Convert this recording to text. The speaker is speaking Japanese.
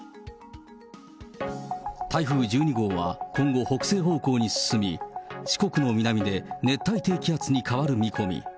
台風１２号は今後、北西方向に進み、四国の南で熱帯低気圧に変わる見込み。